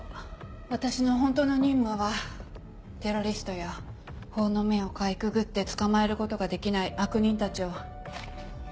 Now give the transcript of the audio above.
私の本当の任務はテロリストや法の目をかいくぐって捕まえることができない悪人たちを。